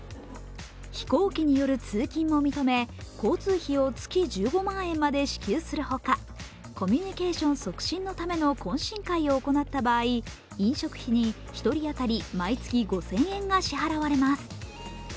飛行機による通勤も認め、交通費を月１５万円まで支給するほかコミュニケーション促進のための懇親会を行った場合飲食費に１人当たり毎月５０００円が支払われます。